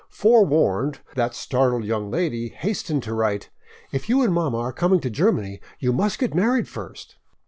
Forewarned, that startled young lady hastened to write: "If you and mama are coming to Germany, you must get married first."